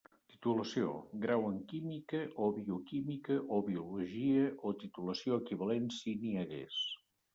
Titulació: grau en Química, o Bioquímica o Biologia, o titulació equivalent si n'hi hagués.